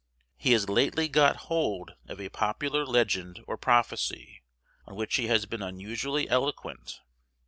He has lately got hold of a popular legend or prophecy, on which he has been unusually eloquent.